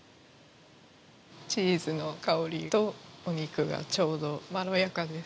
チーズの香りとお肉がちょうどまろやかです。